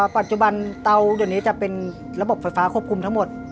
ปัจจุบันเตาเดี๋ยวนี้จะเป็นระบบไฟฟ้าควบคุมทั้งหมด